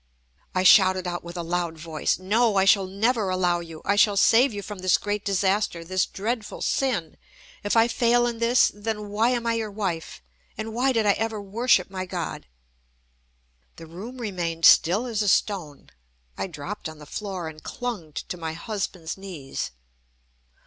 I shouted out with a loud voice: "No! I shall never allow you. I shall save you from this great disaster, this dreadful sin. If I fail in this, then why am I your wife, and why did I ever worship my God?" The room remained still as a stone. I dropped on the floor, and clung to my husband's knees.